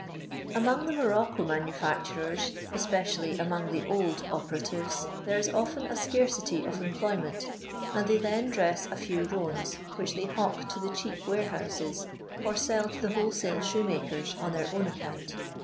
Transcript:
Among the morocco manufacturers, especially among the old operatives, there is often a scarcity of employment, and they then dress a few roans, which they hawk to the cheap warehouses, or sell to the wholesale shoemakers on their own account.